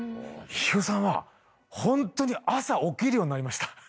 飯尾さんはホントに朝起きるようになりました。